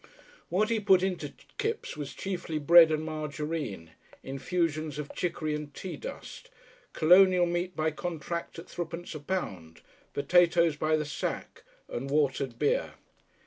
What he put into Kipps was chiefly bread and margarine, infusions of chicory and tea dust, colonial meat by contract at threepence a pound, potatoes by the sack, and watered beer.